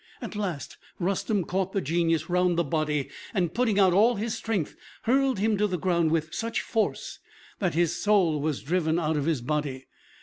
At last Rustem caught the Genius round the body, and, putting out all his strength, hurled him to the ground with such force that his soul was driven out of his body.